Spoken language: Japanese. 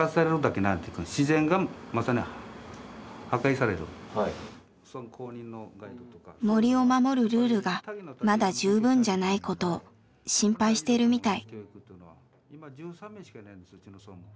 要するに森を守るルールがまだ十分じゃないことを心配してるみたい。